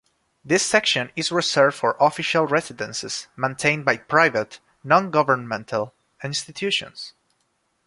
This section is reserved for official residences maintained by private, nongovernmental institutions.